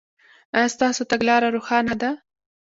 ایا ستاسو تګلاره روښانه ده؟